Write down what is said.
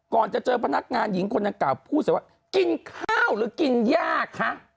ก่อนจะเจอพนักงานหญิงคนดังกล่าวพูดใส่ว่ากินข้าวหรือกินยากคะ